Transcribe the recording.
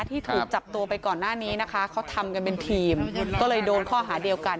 ที่ถูกจับตัวไปก่อนหน้านี้นะคะเขาทำกันเป็นทีมก็เลยโดนข้อหาเดียวกัน